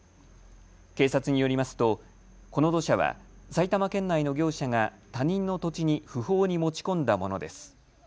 警察によりますとこの土砂は埼玉県内の業者が他人の土地に不法に持ち込んだものです。